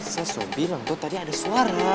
saya soal bilang tuh tadi ada suara